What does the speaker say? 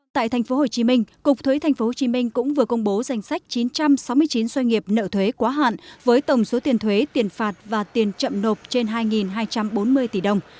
tại tp hcm cục thuế tp hcm cũng vừa công bố danh sách chín trăm sáu mươi chín xoay nghiệp nợ thuế quá hạn với tổng số tiền thuế tiền phạt và tiền chậm nộp trên hai hai trăm bốn mươi tỷ đồng